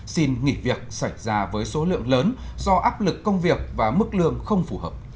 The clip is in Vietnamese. xin nghỉ việc xảy ra với số lượng lớn do áp lực công việc và mức lương không phù hợp